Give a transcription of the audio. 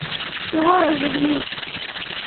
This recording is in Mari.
Чего разлеглись?!